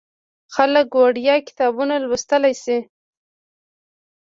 خلک وړیا کتابونه لوستلی شي.